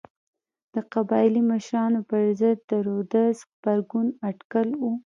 د قبایلي مشرانو پر وړاندې د رودز غبرګون اټکل و.